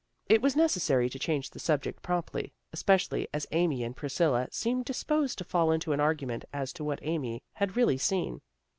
It was necessary to change the subject promptly, especially as Amy and Priscilla seemed disposed to fall into an argument as to what Amy had really seen.